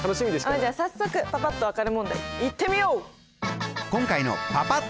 じゃあ早速パパっと分かる問題いってみよう！